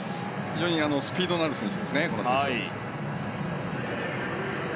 非常にスピードのある選手ですね。